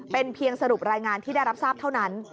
เป็นเพียงสรุปรายงานที่ได้รับทราบเท่านั้น